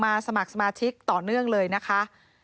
สมัครสมาชิกต่อเนื่องเลยนะคะ